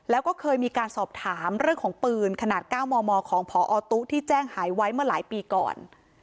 แล้วก็เคยมีการสอบถามเรื่องของปืนขนาด๙มมของพอตุ๊ที่แจ้งหายไว้เมื่อหลายปีก่อน